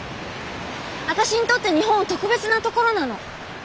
私にとって日本は特別な所なの。